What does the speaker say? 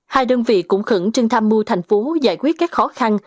hai đơn vị cũng khẩn trưng tham mưu thành phố giải quyết các khó khăn